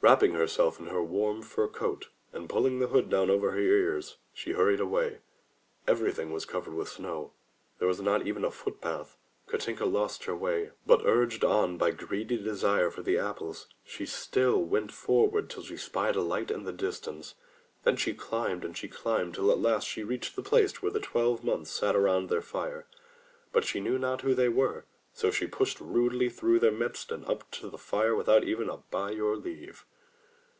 Wrap ping herself in her warm fur coat, and pulling the hood down over her ears, she hurried away. Everything was covered with snow, there was not even a foot path. Katinka lost her way, but, urged on by greedy desire 151 MY BOOK HOUSE for the apples, she still went forward till she spied a light in the distance. Then she climbed and she climbed till at last she reached the place where the Twelve Months sat about their fire. But she knew not who they were, so she pushed rudely through their midst and up to the fire without even a "By your leave.''